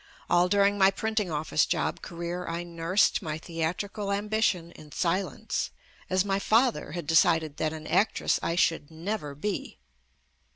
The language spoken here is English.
All during my printing office job career I nursed my theatrical ambition in silence, as my father had decided that an actress I should never be.